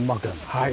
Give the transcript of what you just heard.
はい。